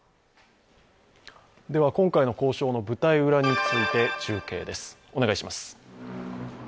今回の交渉の舞台裏について中継です。